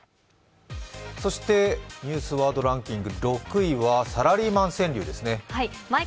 そしてニュースワードランキング６位はサラリーマン川柳ですね。